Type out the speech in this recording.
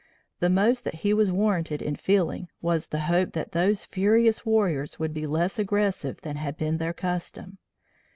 The most that he was warranted in feeling was the hope that those furious warriors would be less aggressive than had been their custom.